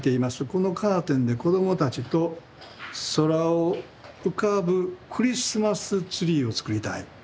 このカーテンで子どもたちと『空を浮かぶクリスマスツリー』をつくりたい」。